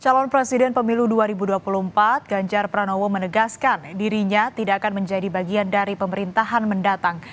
calon presiden pemilu dua ribu dua puluh empat ganjar pranowo menegaskan dirinya tidak akan menjadi bagian dari pemerintahan mendatang